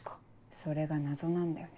それが謎なんだよね。